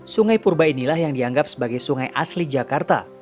sungai purba inilah yang dianggap sebagai sungai asli jakarta